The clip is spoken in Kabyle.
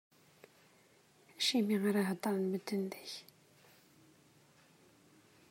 Acimi ara heddren medden deg-k?